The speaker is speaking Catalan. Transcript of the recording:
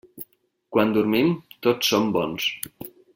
Quan dormim, tots som bons.